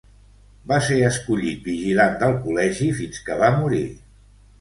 Va ser escollit vigilant del col·legi fins que va morir.